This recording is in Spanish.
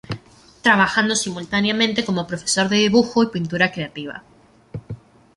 Trabajando simultáneamente como profesor de dibujo y pintura creativa.